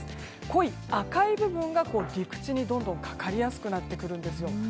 濃い赤い部分が陸地にどんどんかかりやすくなってくるんです。